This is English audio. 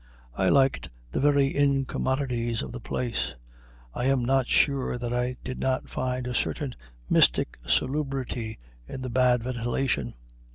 I liked the very incommodities of the place; I am not sure that I did not find a certain mystic salubrity in the bad ventilation.